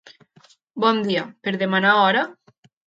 Bon dia. Per demanar hora?